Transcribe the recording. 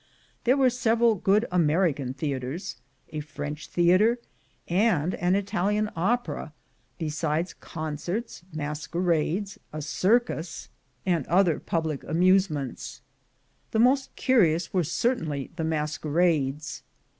There were several very good American theatres, a French theatre, and an Italian opera, besides con certs, masquerades, a circus, and other public amuse 84 THE GOLD HUNTERS ments. \The most curious were certainly the masquer ades.